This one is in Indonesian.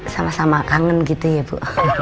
sama sama kangen gitu ya bu